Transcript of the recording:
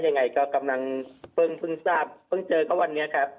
ยังไงก็กำลังเพิ่งเจอกับวันนี้ครับ